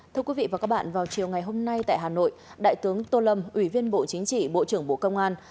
thưa quý vị và các bạn vào chiều ngày hôm nay tại hà nội đại tướng tô lâm ủy viên bộ chính trị bộ trưởng bộ công an